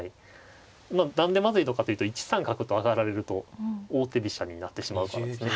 まあ何でまずいのかというと１三角と上がられると王手飛車になってしまうからですね。